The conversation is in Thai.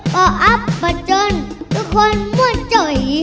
ป่ออัพประจนทุกคนมวดจ๋อย